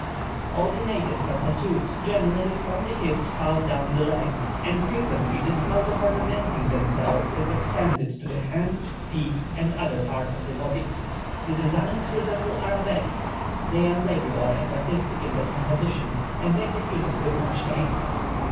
All the natives are tattooed, generally from the hips half down the legs, and frequently this mode of ornamenting themselves is extended to the hands, feet, or other parts of the body. The designs resemble arabesques; they are regular and artistic in their composition, and executed with much taste.